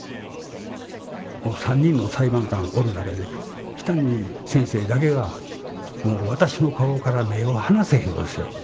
３人の裁判官おる中で木谷先生だけがもう私の顔から目を離せへんのですよ。